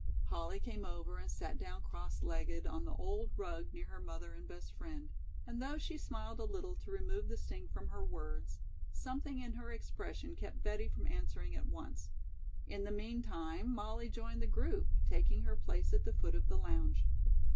Polly came over and sat down cross legged on the old rug near her mother and best friend, and though she smiled a little to remove the sting from her words, something in her expression kept Betty from answering at once. In the meantime Mollie joined the group, taking her place at the foot of the lounge.